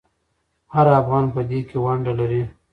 هر افغان په دې کې ونډه لري.